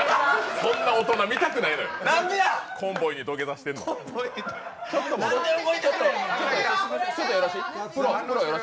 そんな大人見たくないのよ。